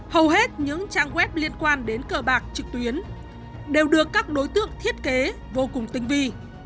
hầu hết những trang web liên quan đến cờ bạc trực tuyến đều được các đối tượng thiết kế vô cùng tinh vi